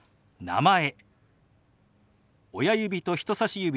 「名前」。